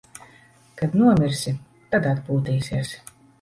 Kad nomirsi, tad atpūtīsies.